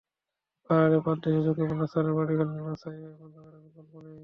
পাহাড়ের পাদদেশে ঝুঁকিপূর্ণ স্থানে বাড়িঘর নির্মাণ স্থায়ীভাবে বন্ধ করার বিকল্প নেই।